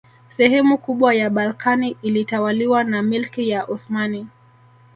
Sehemu kubwa ya Balkani ilitawaliwa na milki ya Osmani